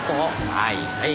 はいはい。